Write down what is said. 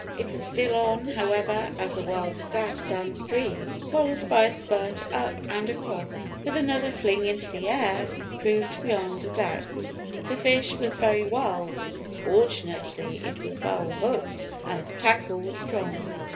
It was still on, however, as a wild dash down stream, followed by a spurt up and across, with another fling into the air, proved beyond a doubt. The fish was very wild fortunately it was well hooked, and the tackle was strong.